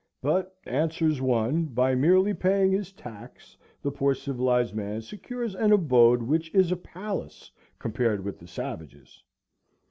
But, answers one, by merely paying this tax the poor civilized man secures an abode which is a palace compared with the savage's.